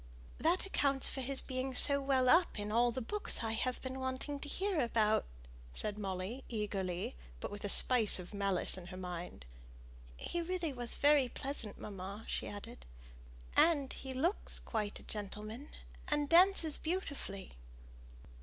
"That accounts for his being so well up in all the books I've been wanting to hear about," said Molly, eagerly, but with a spice of malice in her mind. "He really was very pleasant, mamma," she added; "and he looks quite a gentleman, and dances beautifully!"